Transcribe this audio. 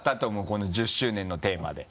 この１０周年のテーマで。